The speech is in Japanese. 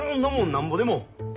なんぼでも。